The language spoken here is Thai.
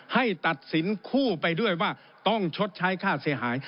ให้ตัดสินคู่ไปด้วยว่าต้องชดใช้ค่าเสียหาย